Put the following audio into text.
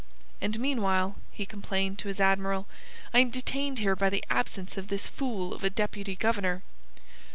"And meanwhile," he complained to his Admiral, "I am detained here by the absence of this fool of a Deputy Governor."